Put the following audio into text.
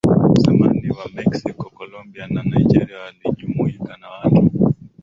zamani wa Mexico Colombia na Nigeria walijumuika na watu